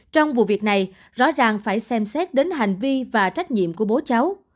trong vụ việc này rõ ràng phải xem xét đến hành vi và trách nhiệm của bố cháu